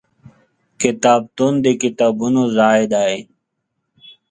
کتابتون د کتابونو ځای دی.